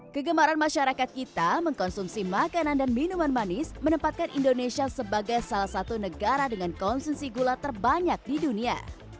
kegemaran masyarakat kita mengkonsumsi makanan dan minuman manis menempatkan indonesia sebagai salah satu negara dengan konsumsi gula terbanyak di dunia